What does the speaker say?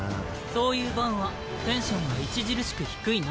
そういうバンはテンションが著しく低いな。